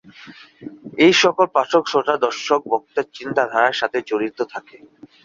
এইসকল পাঠক-শ্রোতা-দর্শক বক্তার চিন্তাধারার সাথে জড়িত থাকে।